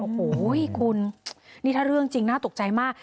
โอ้โหคุณนี่ถ้าเรื่องจริงน่าตกใจมาก